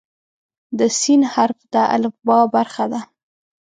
د "س" حرف د الفبا برخه ده.